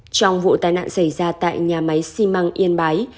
trong vụ tai nạn xảy ra tại nhà máy xi măng yên bái